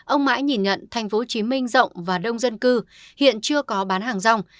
ông mãi nhìn nhận tp hcm rộng và đông dân cư hiện chưa có bán hàng rong